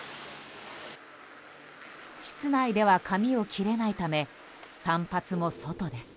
室内では髪を切れないため散髪も外です。